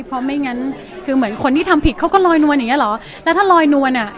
เพราะไม่งั้นคือเหมือนคนที่ทำผิดเขาก็ลอยนวลอย่างเงี้เหรอแล้วถ้าลอยนวลอ่ะ